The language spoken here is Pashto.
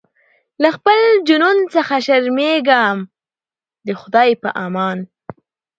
له خپل جنون څخه شرمېږمه د خدای په امان